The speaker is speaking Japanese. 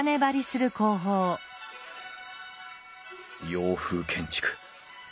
洋風建築。